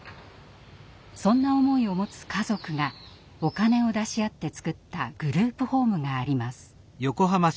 そんな思いを持つ家族がお金を出し合ってつくったグループホームがあります。